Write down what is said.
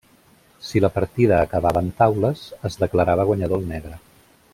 Si la partida acabava en taules, es declarava guanyador el negre.